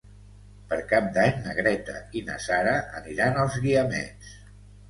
Per Cap d'Any na Greta i na Sara aniran als Guiamets.